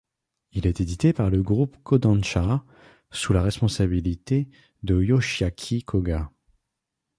Il est édité par le groupe Kōdansha, sous la responsabilité de Yoshiaki Koga.